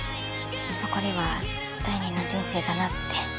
残りは第二の人生だなって。